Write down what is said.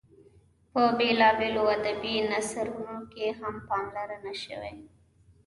په بېلابېلو ادبي نثرونو کې هم پاملرنه شوې.